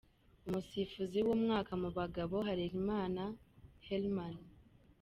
Umusifuzi w’umwaka mu bagabo: Harerimana Herman.